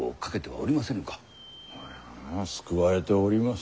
いや救われております。